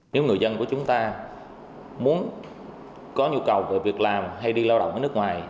nếu người dân của chúng ta muốn có nhu cầu về việc làm hay đi lao động ở nước ngoài